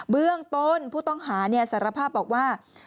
เบื้องต้นผู้ต้องหาสารภาพบอกว่า